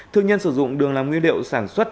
thương nhân sử dụng đường làm nguyên liệu sản xuất